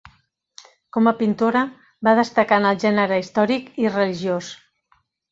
Com a pintora va destacar en el gènere històric i religiós.